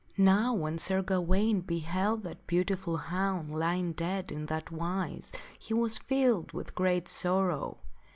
Now when Sir Gawaine beheld that beautiful hound lying dead in that wise, he was filled with great sorrow.